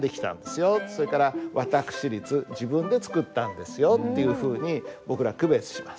それから「私立」自分で作ったんですよっていうふうに僕ら区別します。